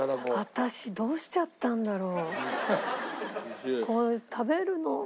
私どうしちゃったんだろう？